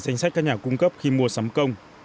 danh sách các nhà cung cấp khi mua sắm công